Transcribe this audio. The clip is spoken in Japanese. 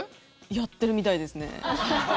やってるみたいですね。